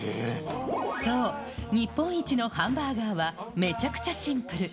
そう、日本一のハンバーガーは、めちゃくちゃシンプル。